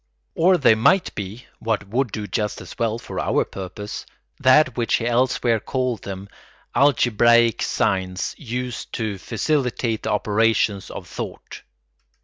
Or they might be (what would do just as well for our purpose) that which he elsewhere called them, algebraic signs used to facilitate the operations of thought.